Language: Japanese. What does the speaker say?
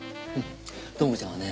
朋子ちゃんはね